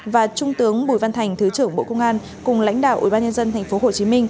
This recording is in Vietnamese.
và trung tướng bùi văn thành thứ trưởng bộ công an cùng lãnh đạo ủy ban nhân dân tp hcm